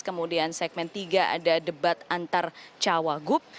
kemudian segmen tiga ada debat antar cawagup